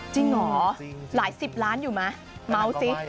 จริงหรอหลายสิบล้านอยู่ไหม